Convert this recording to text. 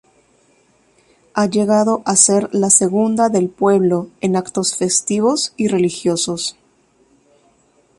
Ha llegado a ser la segunda del pueblo en actos festivos y religiosos.